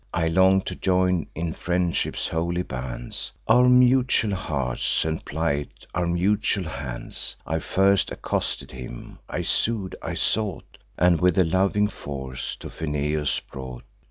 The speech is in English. I long'd to join in friendship's holy bands Our mutual hearts, and plight our mutual hands. I first accosted him: I sued, I sought, And, with a loving force, to Pheneus brought.